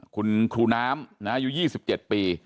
คุณครูน้ำนะอยู่๒๗ปี